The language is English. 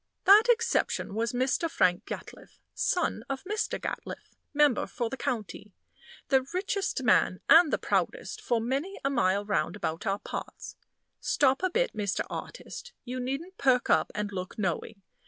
That exception was Mr. Frank Gatliffe, son of Mr. Gatliffe, member for the county, the richest man and the proudest for many a mile round about our parts. Stop a bit, Mr. Artist, you needn't perk up and look knowing.